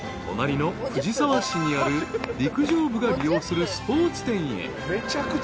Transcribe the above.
［隣の藤沢市にある陸上部が利用するスポーツ店へ］